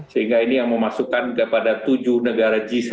sehingga ini yang memasukkan kepada tujuh negara g tujuh